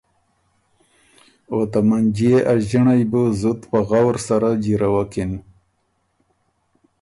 او ته منجيې ا ݫِنړئ بُو زُت په غؤر سره جیرَوکِن۔